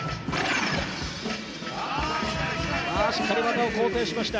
しっかり技を構成しました。